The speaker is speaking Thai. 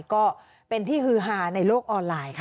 ก็เป็นที่ฮือฮาในโลกออนไลน์ค่ะ